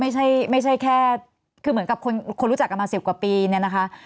ไม่ใช่ไม่ใช่แค่คือเหมือนกับคนรู้จักกันมา๑๐กว่าปีเนี่ยนะคะ